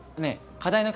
課題の紙